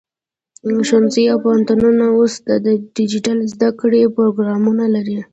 ښوونځي او پوهنتونونه اوس د ډیجیټل زده کړې پروګرامونه لري.